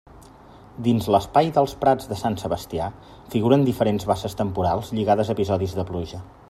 Dins l'espai dels prats de Sant Sebastià, figuren diferents basses temporals lligades a episodis de pluja.